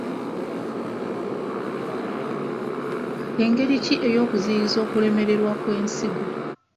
Engeri ki ey'okuziiyiza okulemererwa kw'ensigo.